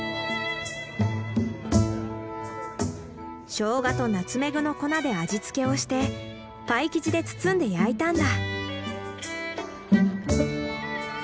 ショウガとナツメグの粉で味付けをしてパイ生地で包んで焼いたんだ。